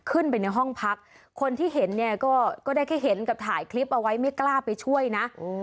ในห้องพักคนที่เห็นเนี่ยก็ได้แค่เห็นกับถ่ายคลิปเอาไว้ไม่กล้าไปช่วยนะ